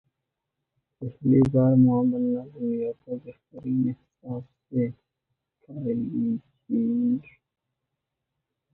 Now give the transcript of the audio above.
پہلی بار ماں بننا دنیا کا بہترین احساس ہے کایلی جینر